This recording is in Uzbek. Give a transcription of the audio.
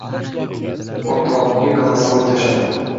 o’rtogimga golosovoy tashadim